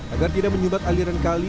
agar tidak menyubat aliran kali